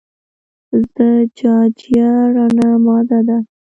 زجاجیه رڼه ماده ده.